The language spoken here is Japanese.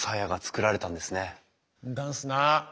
んだすな。